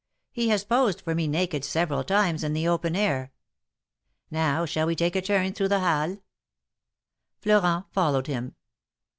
He has posed for me naked several times in the open air. Now, shall we take a turn through the Halles ?" Florent followed him.